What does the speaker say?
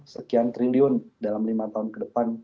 sekian triliun dalam lima tahun ke depan